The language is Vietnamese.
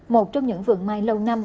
một trong những vườn mai lâu năm